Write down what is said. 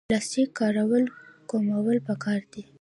د پلاستیک کارول کمول پکار دي